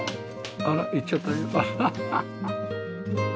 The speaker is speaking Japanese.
あら行っちゃったよ。ハハハ。